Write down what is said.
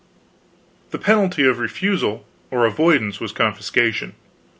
The penalty of refusal or avoidance was confiscation.